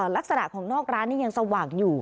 ลักษณะของนอกร้านนี่ยังสว่างอยู่